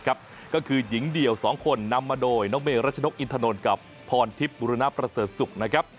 ก็คือหญิงเดี่ยว๒คนนำมาโดยน้องเมรัชนกอินทนนท์กับพรทิพย์บุรณประเสริฐศุกร์นะครับ